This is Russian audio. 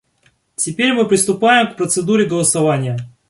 Теперь мы приступаем к процедуре голосования.